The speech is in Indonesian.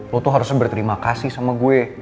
lo tuh harusnya berterima kasih sama gue